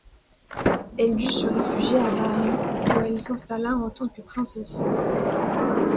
Elle dut se réfugier à Bari, où elle s'installa en tant que princesse.